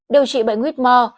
điều trị bệnh huyết mò